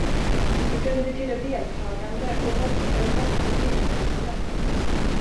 Det kunde betyda deltagande och hopp eller hoppfullt instämmande.